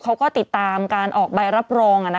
เขาก็ติดตามการออกใบรับรอง